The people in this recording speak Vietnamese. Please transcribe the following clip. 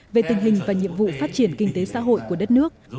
về tình hình và nhiệm vụ phát triển kinh tế xã hội của đất nước